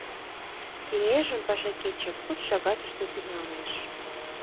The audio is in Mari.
Кеҥежым паша кече куд шагатыште тӱҥалеш.